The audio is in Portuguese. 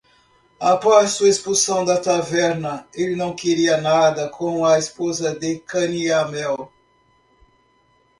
Após sua expulsão da taverna, ele não queria nada com a esposa de Canyamel.